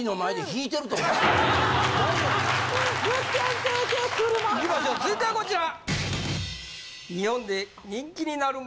続いてはこちら。